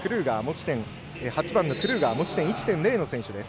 ８番のクルーガー持ち点１．０の選手です。